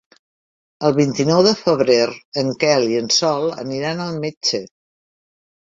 El vint-i-nou de febrer en Quel i en Sol aniran al metge.